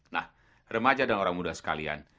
nah remaja dan orang muda sekalian